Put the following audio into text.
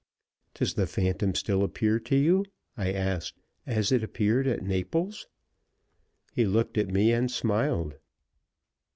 "Does the phantom still appear to you," I asked, "as it appeared at Naples?" He looked at me and smiled.